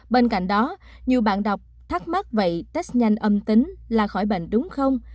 bên cạnh đó nhiều bạn đọc thắc mắc vậy test nhanh âm tính là khỏi bệnh đúng không